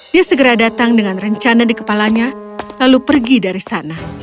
dia segera datang dengan rencana di kepalanya lalu pergi dari sana